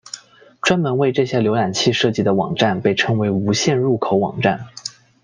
专门为这些浏览器设计的网站被称为无线入口网站。